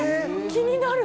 気になる。